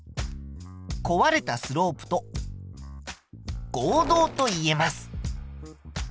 壊れたスロープと合同と言えます。